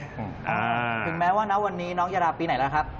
ถึงแม้ว่าณวันนี้น้องจะรับปีไหนแล้วครับ